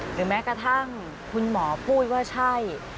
หรือแม้กระทั่งคุณหมอพูดว่าใช่